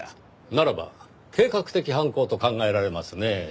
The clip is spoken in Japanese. ならば計画的犯行と考えられますねぇ。